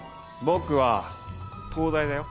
僕は東大だよ。